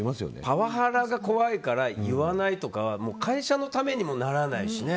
パワハラが怖いから言わないとかは会社のためにもならないし。